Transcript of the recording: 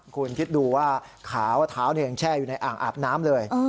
คุณคิดดูว่าขาวเท้ายังแช่อยู่ในอ่างอาบน้ำเลย